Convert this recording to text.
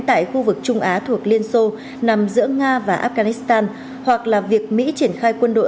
tại khu vực trung á thuộc liên xô nằm giữa nga và afghanistan hoặc là việc mỹ triển khai quân đội